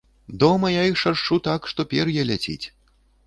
Дома я іх шаршчу так, што пер'е ляціць.